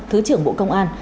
thứ trưởng bộ công an